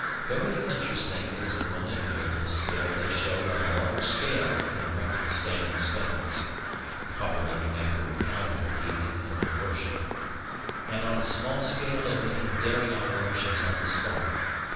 Very interesting is the manipulative skill they showed on a large scale in erecting standing stones (probably connected with calendar keeping and with worship), and on a small scale in making daring operations on the skull.